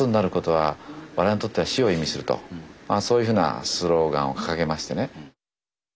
そういうふうなスローガンを掲げましてね。